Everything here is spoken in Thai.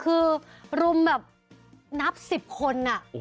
คือรุมแบบนับสิบคนอะ